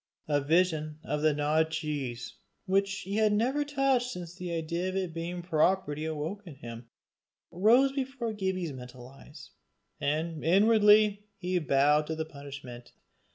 A vision of the gnawed cheese, which he had never touched since the idea of its being property awoke in him, rose before Gibbie's mental eyes, and inwardly he bowed to the punishment.